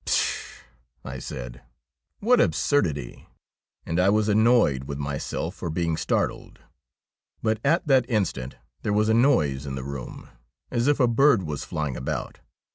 ' Pshaw !' I said, ' what absurdity !' and I was annoyed with myself for being startled. But at that instant there was a noise in the room as if a bird was flying about.